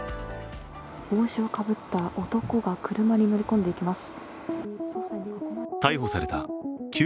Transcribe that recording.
帽子をかぶった男が車に乗り込んでいきます。